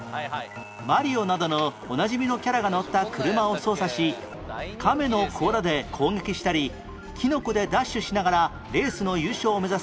マリオなどのおなじみのキャラが乗った車を操作しカメの甲羅で攻撃したりキノコでダッシュしながらレースの優勝を目指す